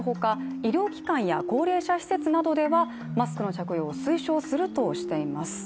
医療機関や高齢者施設などではマスクの着用を推奨するとしています。